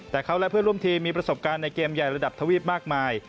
แต่เขาและเพื่อนร่วมทีมมีประสบการณ์ในเกมใหญ่ระดับทวีปมากมาย